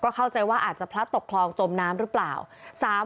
เข้าใจว่าอาจจะพลัดตกคลองจมน้ำหรือเปล่า